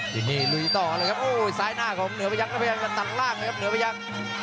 ที่นี่ลุยต่อเลยครับโอ้ยซ้ายหน้าของเหนือพยักษ์ก็พยายามจะตัดล่างนะครับเหนือพยักษ์